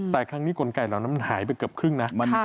แต่ครั้งนี้กลไกเหล่านั้นหายไปเกือบครึ่งนะ